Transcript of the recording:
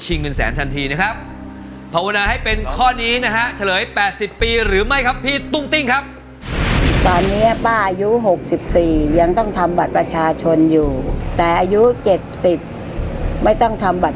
อ้าวคุณต้องช่วยให้น้องเขาได้แล้วพอเขาผิดเขาตกลอบคุณต้องเสียใจปลอบเขา